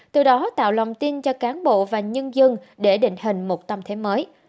từ đó tạo lòng tin cho cán bộ và nhân dân để định hình một tâm thế mới